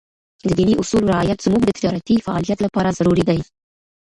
د ديني اصولو رعایت زموږ د تجارتي فعالیت لپاره ضروري دی.